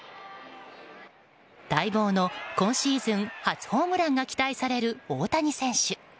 待望の今シーズン初ホームランが期待される大谷選手。